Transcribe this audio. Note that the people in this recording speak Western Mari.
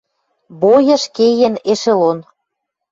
Бойыш кеен эшелон.